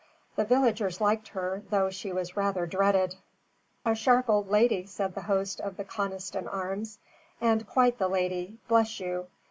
The villagers liked her, though she was rather dreaded. "A sharp old lady," said the host of the Conniston Arms, "and quite the lady, bless you!